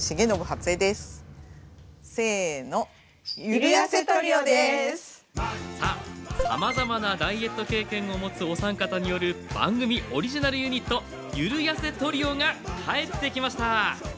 さあさまざまなダイエット経験をもつお三方による番組オリジナルユニットゆるやせトリオが帰ってきました。